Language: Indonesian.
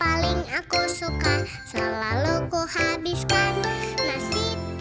yang paling aku suka selalu ku habiskan